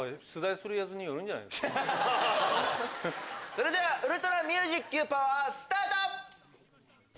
それではウルトラミュージッ Ｑ パワースタート！